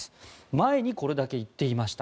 前にこれだけ言っていました。